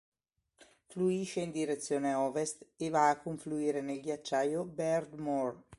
Fluisce in direzione ovest e va a confluire nel ghiacciaio Beardmore.